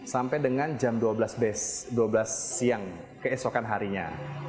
sampai dengan jam dua belas siang keesokan harinya